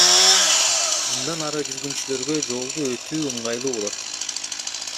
Мындан ары жүргүнчүлөргө жолду өтүү ыңгайлуу болот.